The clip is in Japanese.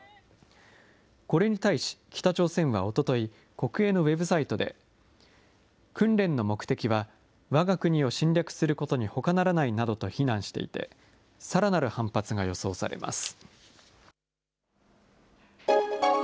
これに対し北朝鮮はおととい、国営のウェブサイトで、訓練の目的はわが国を侵略することにほかならないなどと非難していて、さらなる反発が予想されます。